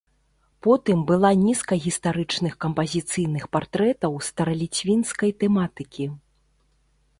Потым была нізка гістарычных кампазіцыйных партрэтаў стараліцвінскай тэматыкі.